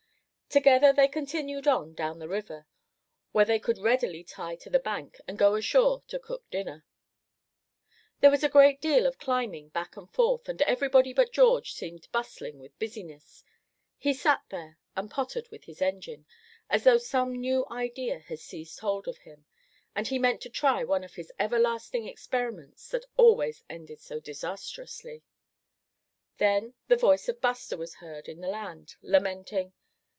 Together they continued on down the river; where they could readily tie to the bank, and go ashore to cook dinner. There was a great deal of climbing back and forth, and everybody but George seemed bustling with business; he sat there, and pottered with his engine, as though some new idea had seized hold of him, and he meant to try one of his everlasting experiments that always ended so disastrously. Then the voice of Buster was heard in the land, lamenting.